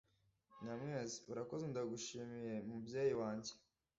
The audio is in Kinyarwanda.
Nyamwezi: Urakoze ndagushimiye mubyeyi wanjye!